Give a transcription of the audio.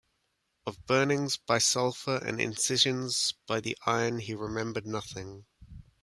Of burnings by sulphur and incisions by the iron he remembered nothing.